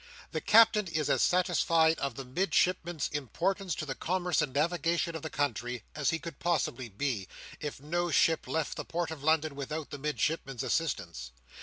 The Captain is as satisfied of the Midshipman's importance to the commerce and navigation of the country, as he could possibly be, if no ship left the Port of London without the Midshipman's assistance.